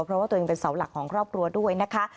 เพราะว่าตัวเองเป็นเสาหลักของครอบครัวด้วยนะคะ